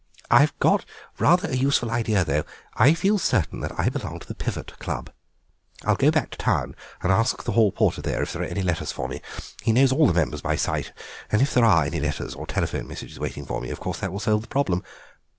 I've got rather a useful idea, though. I feel certain that I belong to the Pivot Club; I'll go back to town and ask the hall porter there if there are any letters for me. He knows all the members by sight, and if there are any letters or telephone messages waiting for me of course that will solve the problem.